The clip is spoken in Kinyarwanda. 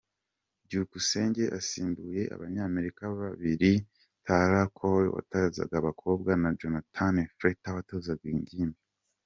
Byukusenge asimbuye Abanyamerika babiri Tarah Cole watozaga abakobwa na Jonathan Freter watozaga ingimbi.